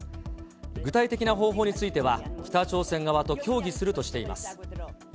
具体的な方法については、北朝鮮側と協議するとしています。